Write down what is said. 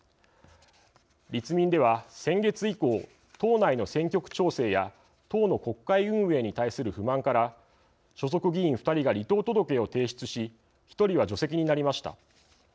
立民では、先月以降党内の選挙区調整や党の国会運営に対する不満から所属議員２人が離党届を提出し１人は除籍になりました。